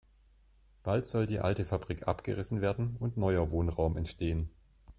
Bald soll die alte Fabrik abgerissen werden und neuer Wohnraum entstehen.